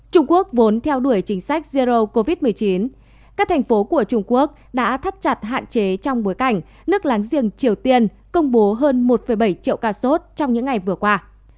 trung quốc vốn theo đuổi chính sách zero covid một mươi chín các thành phố của trung quốc đã thắt chặt hạn chế trong bối cảnh nước láng giềng triều tiên công bố hơn một bảy triệu ca sốt trong những ngày vừa qua